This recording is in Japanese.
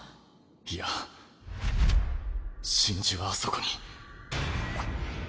いや真珠はあそこに。